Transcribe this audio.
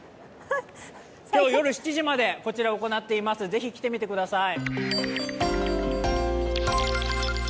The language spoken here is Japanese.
今日夜７時までこちら行っています是非来てください。